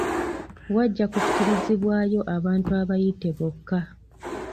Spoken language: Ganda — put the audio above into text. Wajja kukkirizibwayo abantu abayite bokka.